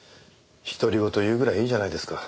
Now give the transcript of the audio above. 独り言言うぐらいいいじゃないですか？